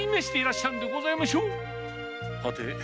はて？